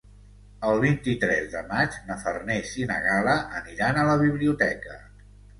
El vint-i-tres de maig na Farners i na Gal·la aniran a la biblioteca.